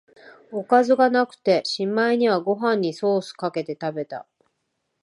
おかずがなくて、しまいにはご飯にソースかけて食べた